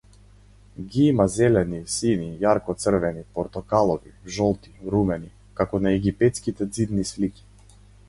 Ги има зелени, сини, јарко црвени, портокалови, жолти, румени, како на египетските ѕидни слики.